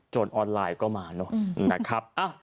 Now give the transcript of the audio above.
โจทย์ออนไลน์ก็มานะครับ